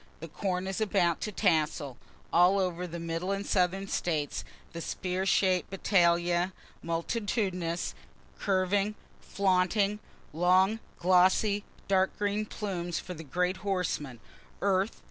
The corn is about beginning to tassel. All over the middle and southern states the spear shaped battalia, multitudinous, curving, flaunting long, glossy, dark green plumes for the great horseman, earth.